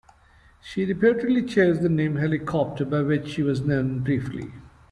She reportedly chose the name "Helicopter" by which she was known briefly.